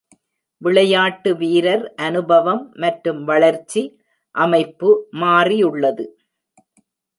“விளையாட்டு வீரர் அனுபவம் மற்றும் வளர்ச்சி அமைப்பு” மாறி உள்ளது.